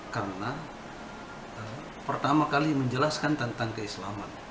karena pertama kali menjelaskan tentang keislaman